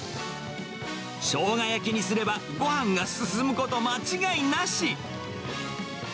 ショウガ焼きにすれば、ごはんが進むこと、間違いなし。